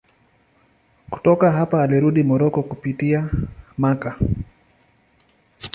Kutoka hapa alirudi Moroko kupitia Makka.